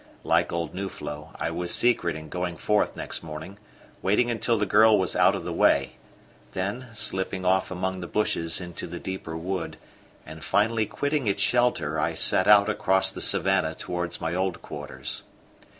Like old Nuflo, I was secret in going forth next morning, waiting until the girl was out of the way, then slipping off among the bushes into the deeper wood; and finally quitting its shelter, I set out across the savannah towards my old quarters.